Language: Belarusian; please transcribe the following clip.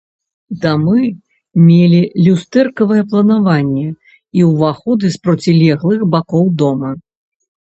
Дамы мелі люстэркавае планаванне і ўваходы з процілеглых бакоў дома.